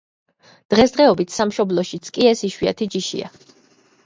დღესდღეობით სამშობლოშიც კი ეს იშვიათი ჯიშია.